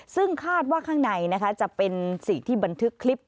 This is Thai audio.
ซึ่งคาดว่าข้างในนะคะจะเป็นสิ่งที่บันทึกคลิป